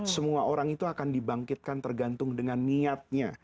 semua orang itu akan dibangkitkan tergantung dengan niatnya